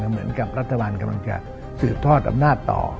เหมือนกับรัฐบาลกำลังจะสืบทอดอำนาจต่อ